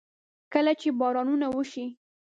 کله چې بارانونه وشي.